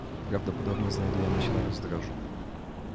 Prawdopodobnie znajdujemy się na rozdrożu